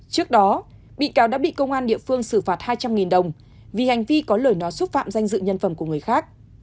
trước đó bị cáo đã bị công an địa phương xử phạt hai trăm linh đồng vì hành vi có lời nói xúc phạm danh dự nhân phẩm của người khác